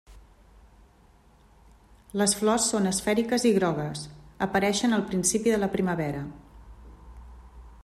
Les flors són esfèriques i grogues, apareixen al principi de la primavera.